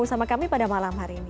bersama kami pada malam hari ini